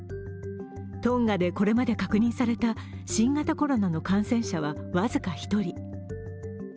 トンガで、これまで確認された新型コロナの感染者は僅か１人。